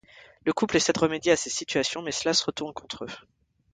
Le couple essaie de remédier à ces situations, mais cela se retourne contre eux.